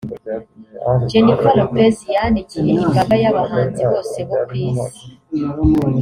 Jennifer Lopez yanikiye imbaga y’abahanzi bose bo ku isi